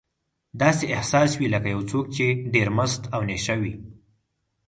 داسې احساس وي لکه یو څوک چې ډېر مست او نشه وي.